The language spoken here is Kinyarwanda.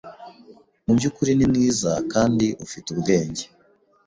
Mubyukuri ni mwiza kandi ufite ubwenge,